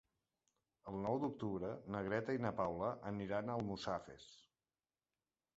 El nou d'octubre na Greta i na Paula aniran a Almussafes.